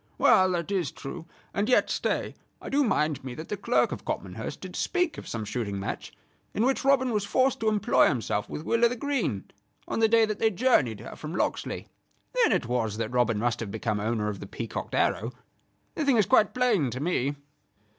"Well, that is true; and yet, stay I do mind me that the Clerk of Copmanhurst did speak of some shooting match in which Robin was forced to employ himself with Will o' th' Green, on the day that they journeyed here from Locksley. Then it was that Robin must have become owner of the peacocked arrow. The thing is quite plain to me."